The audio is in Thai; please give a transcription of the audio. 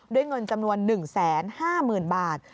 ด้วยเงินจำนวน๑๕๐๐๐บาท